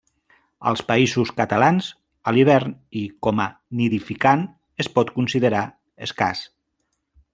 Als Països Catalans, a l'hivern i com a nidificant es pot considerar escàs.